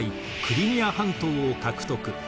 クリミア半島を獲得。